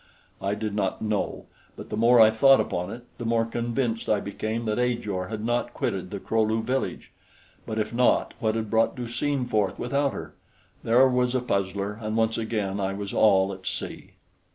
I did not know; but the more I thought upon it, the more convinced I became that Ajor had not quitted the Kro lu village; but if not, what had brought Du seen forth without her? There was a puzzler, and once again I was all at sea.